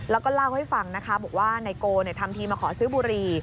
แล้วก็เล่าให้ฟังนะคะบอกว่านายโกทำทีมาขอซื้อบุรี